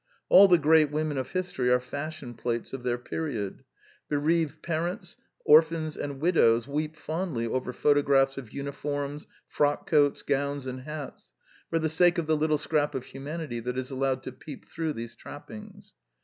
All the great women of history are fashion plates of their period. Bereaved parents, orphans, and widows weep fondly over photo graphs of uniforms, frock coats, gowns, and hats, for the sake of the litde scrap of humanity that is allowed to peep through these trappings.